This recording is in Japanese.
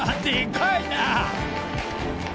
でかいな！